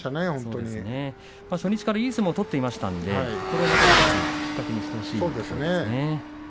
初日からいい相撲を取っていましたので、これをまた１つきっかけにしてほしいですね。